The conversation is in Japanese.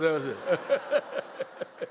ハハハハ！